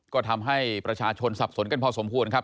ก็ทำให้ประชาชนสับสนกันพอสมควรครับ